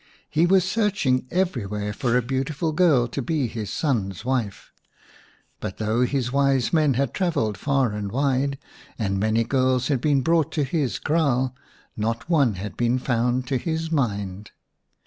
He was searching everywhere for a beautiful girl to be his son's wife, but though his wise men had travelled far and wide and many girls had been brought to his kraal, not one had been found to his mind.